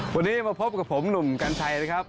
วันนี้มาพบกับผมหนุ่มกัญชัยนะครับ